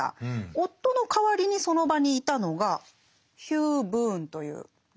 夫の代わりにその場にいたのがヒュー・ブーンという物乞い。